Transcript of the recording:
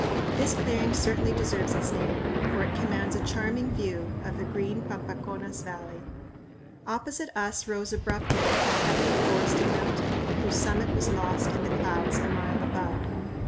This clearing certainly deserves its name, for it commands a "charming view" of the green Pampaconas Valley. Opposite us rose abruptly a heavily forested mountain, whose summit was lost in the clouds a mile above.